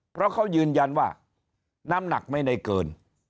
เพราะเขายืนยันว่าน้ำหนักไม่ได้เกิน